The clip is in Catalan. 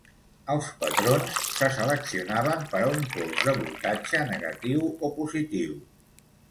Els patrons se seleccionaven per a un pols de voltatge negatiu o positiu.